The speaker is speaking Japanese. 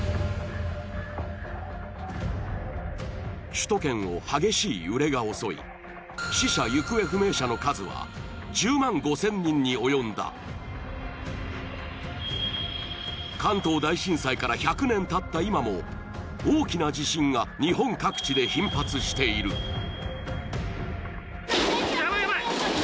首都圏を激しい揺れが襲い死者・行方不明者の数は１０万５０００人に及んだ関東大震災から１００年たった今も大きな地震が日本各地で頻発している・ヤバいヤバい！